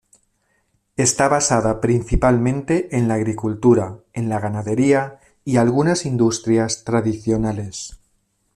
Está basada principalmente en la agricultura, en la ganadería, y algunas industrias tradicionales.